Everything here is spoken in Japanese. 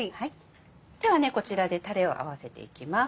ではこちらでタレを合わせていきます。